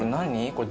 これ。